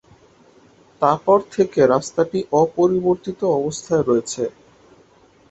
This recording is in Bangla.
তারপর থেকে রাস্তাটি অপরিবর্তিত অবস্থায় রয়েছে।